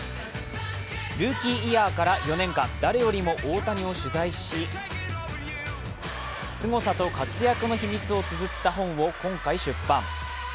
ルーキーイヤーから４年間、誰よりも大谷を取材し、すごさと活躍の秘密をつづった本を今回出版。